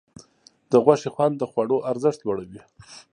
د غوښې خوند د خوړو ارزښت لوړوي.